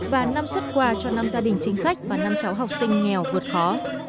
và năm xuất quà cho năm gia đình chính sách và năm cháu học sinh nghèo vượt khó